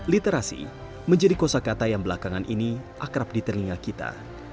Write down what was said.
literasi menjadi kosa kata yang belakangan ini akrab di telinga kita